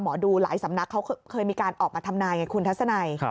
ดูหลายสำนักเขาเคยมีการออกมาทำนายไงคุณทัศนัย